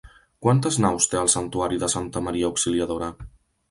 Quantes naus té el Santuari de Santa Maria Auxiliadora?